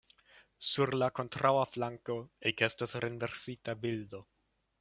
Sur la kontraŭa flanko ekestas renversita bildo.